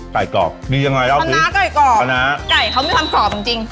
ไก่กรอบมียังไงแล้วขนาไก่กรอบขนาไก่เขามีความกรอบจริงจริง